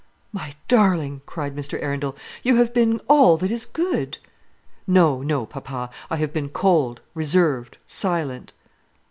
"My darling," cried Mr. Arundel, "you have been all that is good!" "No, no, papa; I have been cold, reserved, silent."